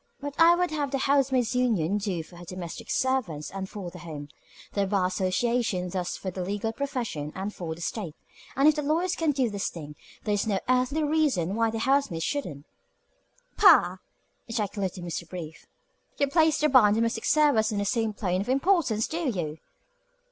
What I would have the Housemaid's Union do for domestic servants and for the home, the Bar Association does for the legal profession and for the State, and if the lawyers can do this thing there is no earthly reason why the housemaids shouldn't." "Pah!" ejaculated Mr. Brief. "You place the bar and domestic service on the same plane of importance, do you?"